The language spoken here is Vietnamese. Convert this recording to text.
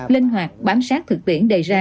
linh hoạt bám sát thực biển đầy ra